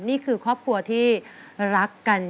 นี่คือครอบครัวที่รักกัน